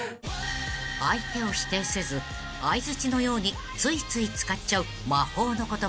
［相手を否定せず相づちのようについつい使っちゃう魔法の言葉］